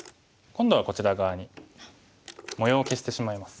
今度はこちら側に模様を消してしまいます。